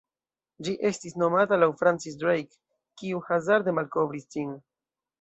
Ĝi estis nomata laŭ Francis Drake, kiu hazarde malkovris ĝin.